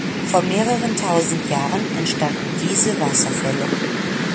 Vor mehreren tausend Jahren entstanden diese Wasserfälle.